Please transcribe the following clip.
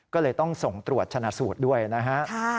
ก็เลยต้องส่งตรวจชนะสูตรด้วยนะฮะ